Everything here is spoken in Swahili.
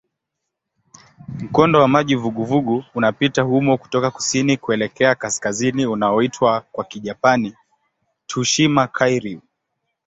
Mkondo wa maji vuguvugu unapita humo kutoka kusini kuelekea kaskazini unaoitwa kwa Kijapani "Tsushima-kairyū".